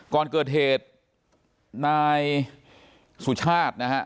ก่อนเกิดเหตุนายสุชาตินะฮะ